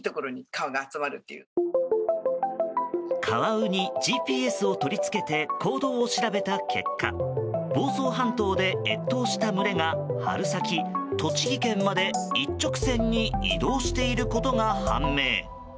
カワウにＧＰＳを取り付けて行動を調べた結果房総半島で越冬した群れが春先、栃木県まで一直線に移動していることが判明。